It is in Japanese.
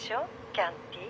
キャンティ。